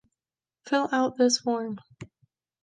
Fill out this form.